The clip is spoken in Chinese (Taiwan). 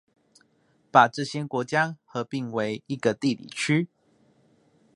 把這些國家合併為一個地理區